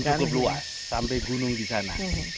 dan cukup luas sampai gunung di sana